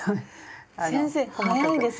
先生速いですね。